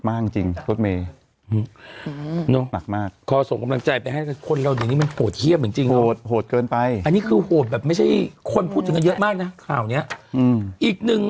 ต่อจำกำลังให้มีอีกเพียง